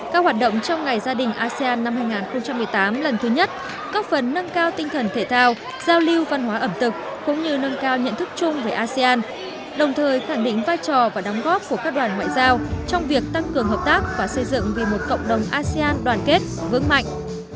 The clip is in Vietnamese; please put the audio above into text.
các hoạt động trong ngày gia đình asean năm hai nghìn một mươi tám lần thứ nhất góp phấn nâng cao tinh thần thể thao giao lưu văn hóa ẩm thực cũng như nâng cao nhận thức chung về asean đồng thời khẳng định vai trò và đóng góp của các đoàn ngoại giao trong việc tăng cường hợp tác và xây dựng vì một cộng đồng asean đoàn kết vững mạnh